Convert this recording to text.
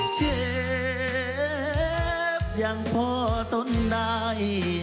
เชฟยังพอตนได้